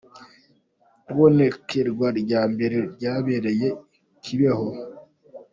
Ibonekerwa rya mbere ryabereye i Kibeho.